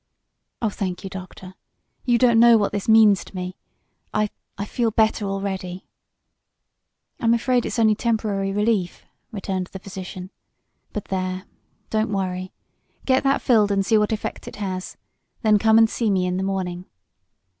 "Oh, thank you, Doctor. You don't know what this means to me. I I feel better already." "I'm afraid it's only temporary relief," returned the physician. "But there. Don't worry. Get that filled and see what effect it has. Then come and see me in the morning."